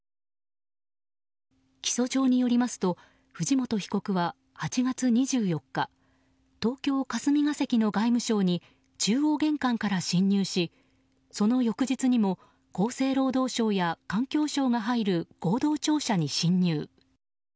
起訴状によりますと藤本被告は８月２４日東京・霞が関の外務省に中央玄関から侵入しその翌日にも厚生労働省や環境省が入る合同庁舎に侵入。